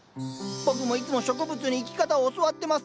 僕もいつも植物に生き方を教わってます。